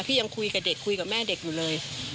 ยังคุยกับเด็กคุยกับแม่เด็กอยู่เลย